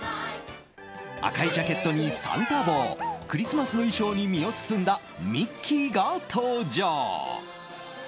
赤いジャケットにサンタ帽クリスマスの衣装に身を包んだミッキーが登場！